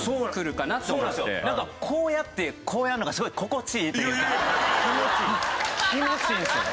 なんかこうやってこうやるのがすごい心地いいというか気持ちいいんですよ。